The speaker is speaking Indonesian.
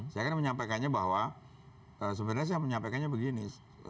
saya kan menyampaikannya bahwa sebenarnya saya menyampaikannya begini